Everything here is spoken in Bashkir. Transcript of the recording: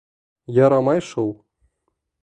Ярамай шул.